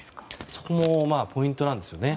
そこもポイントなんですよね。